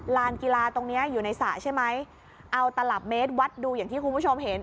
ลานกีฬาตรงเนี้ยอยู่ในสระใช่ไหมเอาตลับเมตรวัดดูอย่างที่คุณผู้ชมเห็น